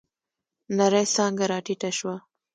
نرۍ څانگه راټيټه شوه.